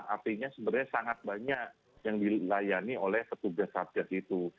artinya sebenarnya sangat banyak yang dilayani oleh petugas satgas itu